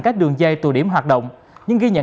các đường dây tù điểm hoạt động nhưng ghi nhận